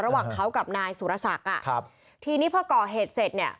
ระหว่างเค้ากับนายสุรษักษ์ทีนี้พอก่อเหตุเสร็จ